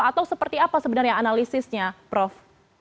atau seperti apa sebenarnya analisisnya prof